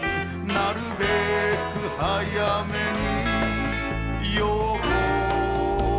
「なるべく早めによこして」